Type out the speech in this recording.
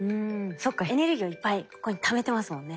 そっかエネルギーをいっぱいここにためてますもんね。